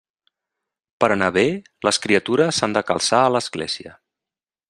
Per anar bé, les criatures s'han de calçar a l'església.